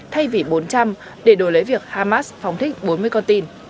thay vì bốn trăm linh để đổi lấy việc hamas phóng thích bốn mươi con tin